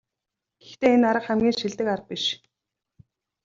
Гэхдээ энэ арга хамгийн шилдэг арга биш.